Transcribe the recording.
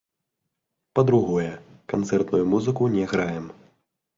Па-другое, канцэртную музыку не граем.